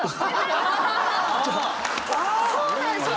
そうなんですよ。